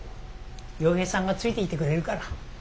陽平さんがついていてくれるから。